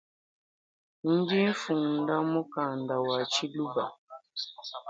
Ndinfunda mukanda wa tshiluba.